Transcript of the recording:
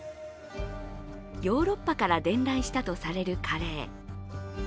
ヨーロッパから伝来したとされるカレー。